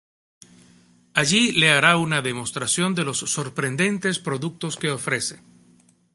Allí le hará una demostración de los sorprendentes productos que ofrece.